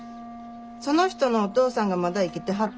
その人のお父さんがまだ生きてはってな